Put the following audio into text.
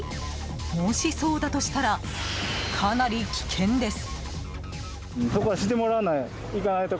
もしそうだとしたらかなり危険です。